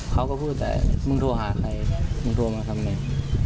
เค้าก็พูดแต่ว่ามึงทัวร์หาใครมึงทัวร์มาทำไม